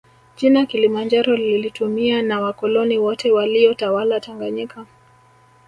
Jina kilimanjaro lilitumia na wakoloni wote waliyotawala tanganyika